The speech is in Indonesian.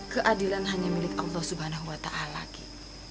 keadilan hanya milik allah subhanahu wata'a l lagi